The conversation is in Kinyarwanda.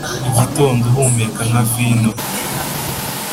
igitondo uhumeka nka vino?